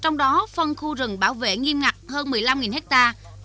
trong đó phân khu rừng bảo vệ nghiêm ngặt hơn một mươi năm hectare